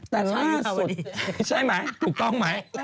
แต่ล่าสุดใช่ไหมถูกต้องไหม